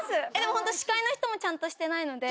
本当、司会の人もちゃんとしてないので。